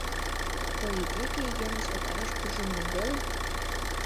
Корий деке Йыныс отарыш куржын гын веле?